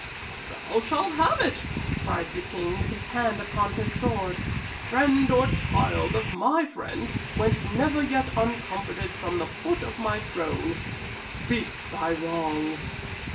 "Thou shalt have it!" cried the King, with his hand upon his sword. "Friend or child of my friend went never yet uncomforted from the foot of my throne. Speak thy wrong."